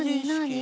何？